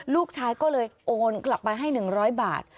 ลูกชายก็เลยโอนกลับไปให้๑๐๐บาท